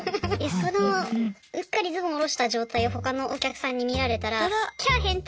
そのうっかりズボンを下ろした状態を他のお客さんに見られたら「きゃあ変態！